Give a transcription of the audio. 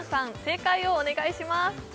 正解をお願いします